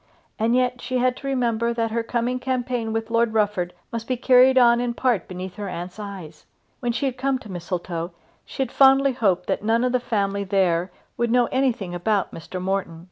And yet she had to remember that her coming campaign with Lord Rufford must be carried on in part beneath her aunt's eyes. When she had come to Mistletoe she had fondly hoped that none of the family there would know anything about Mr. Morton.